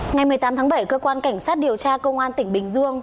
ngày một mươi tám tháng bảy cơ quan cảnh sát điều tra công an tỉnh bình dương